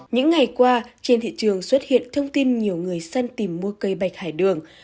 những ngày qua trên thị trường xuất hiện thông tin nhiều người dân tìm mua cây bạch hải đường